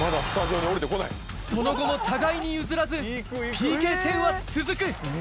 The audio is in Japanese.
その後も互いに譲らずＰＫ戦は続く